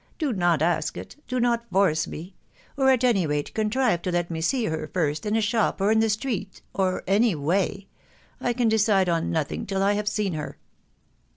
" Do not ask it .... do not force me ;.... or, at any rate, contrive to let me see her first, in a shop, or in the street, or any way. ... I can decide on nothing till I have seen her